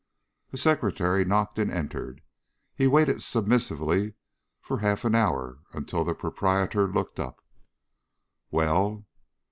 A secretary knocked and entered. He waited submissively for half an hour until the Proprietor looked up. "Well?"